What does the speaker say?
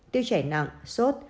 tiêu chảy nặng sốt